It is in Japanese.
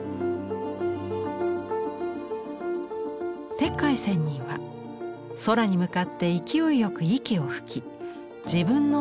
鉄拐仙人は空に向かって勢いよく息を吹き自分の魂を飛ばしています。